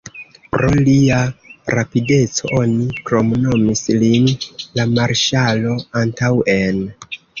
Pro lia rapideco oni kromnomis lin "La marŝalo antaŭen".